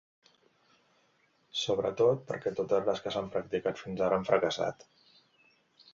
Sobretot perquè totes les que s’han practicat fins ara han fracassat.